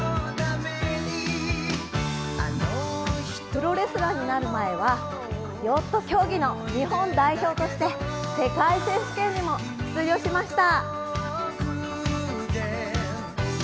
プロレスラーになる前は、ヨット競技の日本代表として世界選手権にも出場しました。